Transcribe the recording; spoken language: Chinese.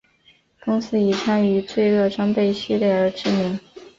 公司以参与罪恶装备系列而知名。